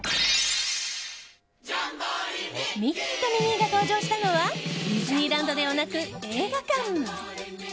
ミッキーとミニーが登場したのはディズニーランドではなく映画館。